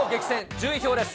順位表です。